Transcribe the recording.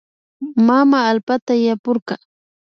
Mama allpata yapurka